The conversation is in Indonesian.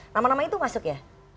nama nama itu masuk ya